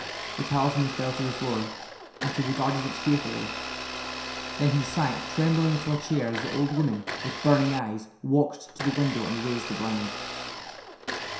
The talisman fell to the floor, and he regarded it fearfully. Then he sank trembling into a chair as the old woman, with burning eyes, walked to the window and raised the blind.